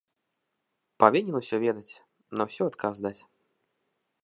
Павінен усё ведаць, на ўсё адказ даць.